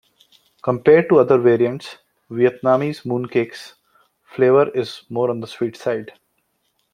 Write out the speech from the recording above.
Compared to other variants, Vietnamese mooncakes' flavor is more on the sweet side.